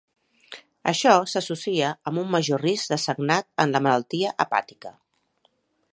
Això s'associa amb un major risc de sagnat en la malaltia hepàtica.